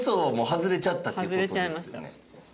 外れちゃいました。